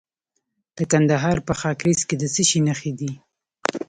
د کندهار په خاکریز کې د څه شي نښې دي؟